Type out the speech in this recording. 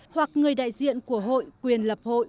hoặc người đại diện của hội quyền lập hội